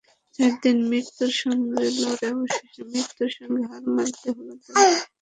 চার দিন মৃত্যুর সঙ্গে লড়ে অবশেষে মৃত্যুর সঙ্গে হার মানতে হলো তাঁদের।